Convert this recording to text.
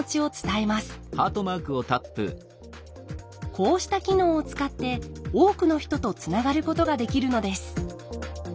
こうした機能を使って多くの人とつながることができるのです。